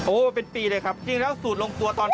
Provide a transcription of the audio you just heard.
โอเป็นปีเลยครับถูกแล้วสูตรลงตัวตอนแรก